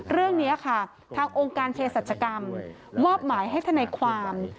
เรื่องนี้ค่ะทางองค์การเพศสัจกรรมมอบหมายให้ทนายความ